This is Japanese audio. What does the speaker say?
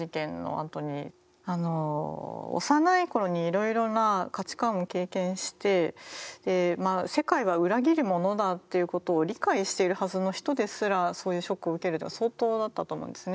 あの幼い頃にいろいろな価値観を経験してでまあ世界は裏切るものだということを理解しているはずの人ですらそういうショックを受けるのは相当だったと思うんですね。